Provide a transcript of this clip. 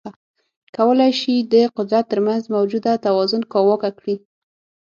کولای شي د قدرت ترمنځ موجوده توازن کاواکه کړي.